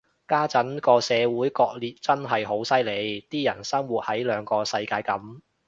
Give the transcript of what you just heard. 家陣個社會割裂真係好犀利，啲人生活喺兩個世界噉